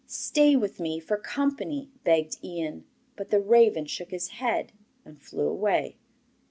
'Stay with me for company,' begged Ian; but the raven shook his head, and flew away.